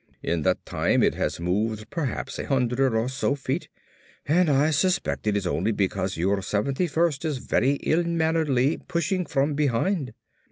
In that time it has moved perhaps a hundred or so feet and I suspect it is only because your 71st is very ill manneredly pushing from behind."